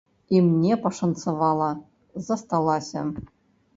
І мне пашанцавала, засталася.